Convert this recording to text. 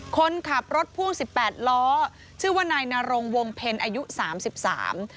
คนขับรถภูมิสิบแปดล้อชื่อว่าในนารงวงเพนต์อายุสามสิบสาม